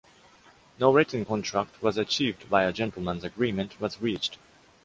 No written contract was achieved by a gentleman's agreement was reached.